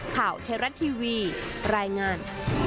เทราะทีวีรายงาน